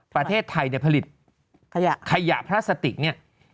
ประเทศไทยเนี่ยผลิตขยะพลาสติกเนี่ย